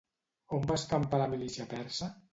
On va escapar la milícia persa?